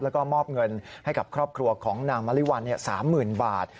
แล้วก็มอบเงินให้กับครอบครัวของนางมะลิวัล๓๐๐๐บาท